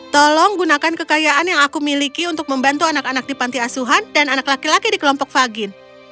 tolong gunakan kekayaan yang aku miliki untuk membantu anak anak di panti asuhan dan anak laki laki di kelompok fagin